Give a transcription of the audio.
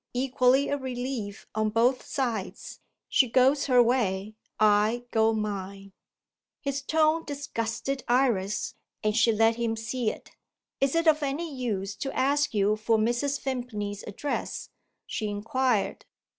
Equally a relief on both sides. She goes her way, I go mine." His tone disgusted Iris and she let him see it. "Is it of any use to ask you for Mrs. Vimpany's address?" she inquired.